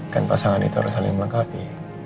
kan pasangan itu harus saling melengkapi